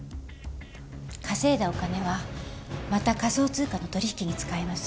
稼いだお金はまた仮想通貨の取引に使います。